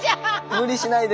無理しないで。